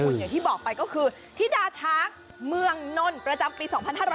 อย่างที่บอกไปก็คือธิดาช้างเมืองนนท์ประจำปี๒๕๕๙